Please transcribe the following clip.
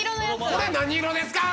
これ何色ですか！？